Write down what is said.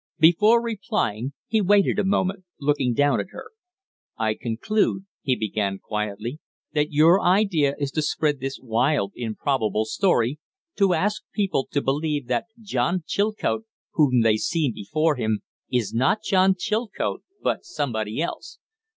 Before replying he waited a moment, looking down at her. "I conclude," he began, quietly, "that your idea is to spread this wild, improbable story to ask people to believe that John Chilcote, whom they see before them, is not John Chilcote, but somebody else.